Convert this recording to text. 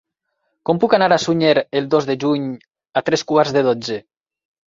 Com puc anar a Sunyer el dos de juny a tres quarts de dotze?